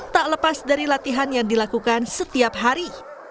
tak lepas dari latihan yang dilakukan setiap hari